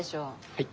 はい。